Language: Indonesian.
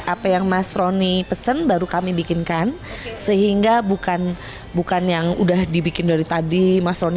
apa yang mas roni pesen baru kami bikinkan sehingga bukan bukan yang udah dibikin dari tadi mas roni